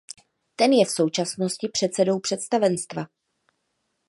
Ten je v současnosti předsedou představenstva.